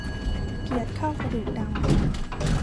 เกลียดเข้ากระดูกดำ